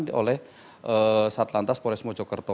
kita bisa lakukan pemeriksaan